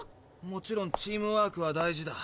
もちろんチームワークは大事だ。